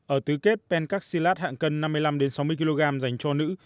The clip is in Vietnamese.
ở tứ kết pen kaxilat hạng cân năm mươi năm sáu mươi kg giành cho nữ